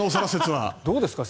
どうですか？